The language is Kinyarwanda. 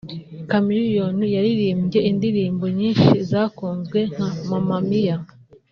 Chameleone yaririmbye indirimbo nyinshi zakunzwe nka ‘Mama Mia’